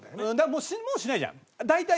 もうしないじゃん。